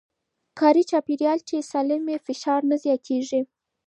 کاري چاپېريال چې سالم وي، فشار نه زياتېږي.